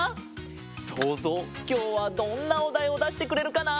そうぞうきょうはどんなおだいをだしてくれるかな？